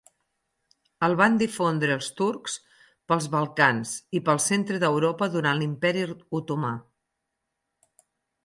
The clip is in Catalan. El van difondre els turcs pels Balcans i pel centre d'Europa durant l'Imperi Otomà.